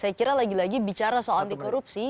saya kira lagi lagi bicara soal anti korupsi